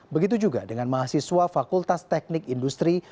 begitu juga dengan mahasiswa fakultas teknik industri